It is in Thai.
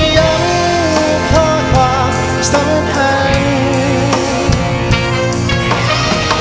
ยังเพราะความสัมพันธ์